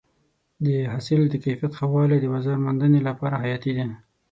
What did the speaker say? د حاصل د کیفیت ښه والی د بازار موندنې لپاره حیاتي دی.